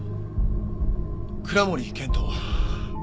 倉森健人